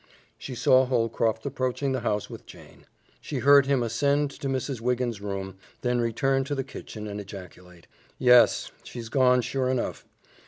She saw Holcroft approaching the house with Jane; she heard him ascend to Mrs. Wiggins' room, then return to the kitchen and ejaculate, "Yes, she's gone, sure enough."